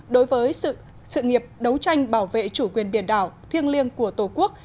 đối với sự nghiệp đấu tranh bảo vệ chủ quyền biển đảo thiêng liêng của tổ quốc